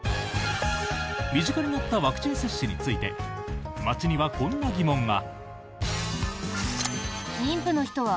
身近になったワクチン接種について街には、こんな疑問が。